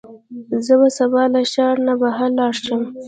زه به سبا له ښار نه بهر لاړ شم.